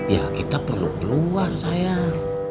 ya kita perlu keluar saya